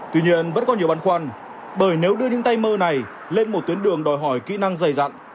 tuy nhiên vẫn còn nhiều băn khoăn bởi nếu đưa những tay mơ này lên một tuyến đường đòi hỏi kỹ năng dày dặn